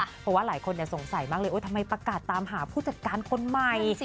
เพราะว่าหลายคนสงสัยมากเลยทำไมประกาศตามหาผู้จัดการคนใหม่